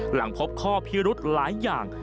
หลังพบข้อพิรุธหลายอย่าง